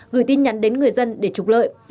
gửi tin nhắn đến người dân để trục lợi